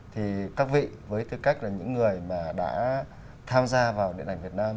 thì các vị với tư cách là những người mà đã tham gia vào điện ảnh việt nam